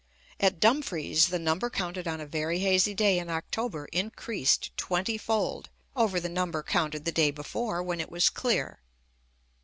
At Dumfries the number counted on a very hazy day in October increased twenty fold over the number counted the day before, when it was clear.